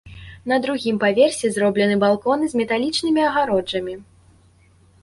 На другім паверсе зроблены балконы з металічнымі агароджамі.